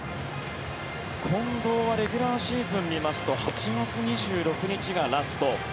近藤はレギュラーシーズンを見ますと８月２６日がラスト。